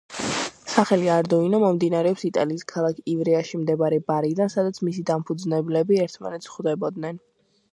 სახელი არდუინო მომდინარეობს იტალიის ქალაქ ივრეაში მდებარე ბარიდან, სადაც მისი დამფუძნებლები ერთმანეთს ხვდებოდნენ.